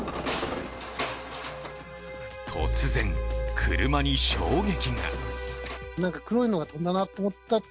突然、車に衝撃が。